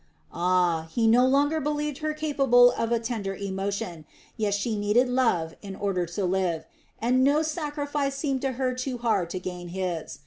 Ah, he no longer believed her capable of a tender emotion, yet she needed love in order to live, and no sacrifice seemed to her too hard to regain his.